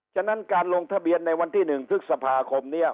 ฉะนั้นการลงทะเบียนในวันที่๑พฤษภาคมนี้